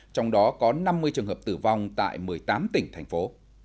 trong đó có năm mươi trường hợp tử vong tại một mươi tám tỉnh thành phố